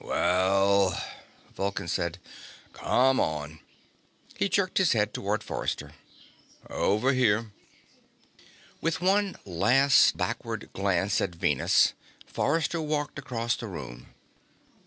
"Well," Vulcan said, "come on." He jerked his head toward Forrester. "Over here." With one last backward glance at Venus, Forrester walked across the room.